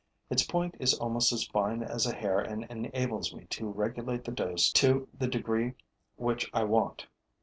Its point is almost as fine as a hair and enables me to regulate the dose to the degree which I want.